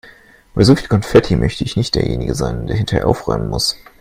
Bei so viel Konfetti möchte ich nicht derjenige sein, der hinterher aufräumen muss.